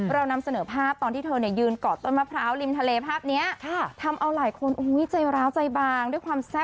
ยายาเซอร์ไพรส์เหมือนกันนะเธอ